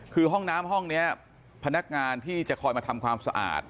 คือห้องน้ำห้องนี้พนักงานที่จะคอยมาทำความสะอาด